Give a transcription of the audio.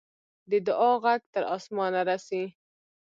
د دعا ږغ تر آسمانه رسي.